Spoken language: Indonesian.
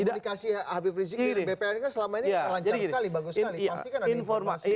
komunikasi habib rizik di bpn kan selama ini lancar sekali bagus sekali